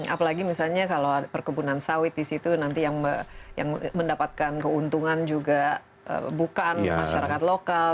apalagi misalnya kalau perkebunan sawit di situ nanti yang mendapatkan keuntungan juga bukan masyarakat lokal